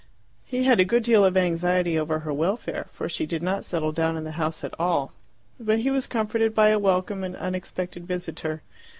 He had a good deal of anxiety over her welfare, for she did not settle down in the house at all. But he was comforted by a welcome and unexpected visitor.